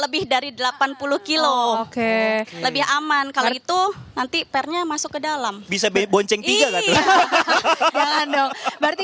lebih dari delapan puluh kilo oke lebih aman kalau itu nanti pernya masuk ke dalam bisa bonceng tiga kali jalan dong berarti